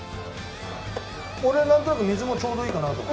俺なんとなく水もちょうどいいかなと。